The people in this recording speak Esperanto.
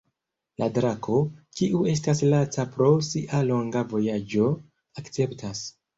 La drako, kiu estas laca pro sia longa vojaĝo, akceptas.